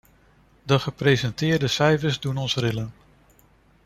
De gepresenteerde cijfers doen ons rillen.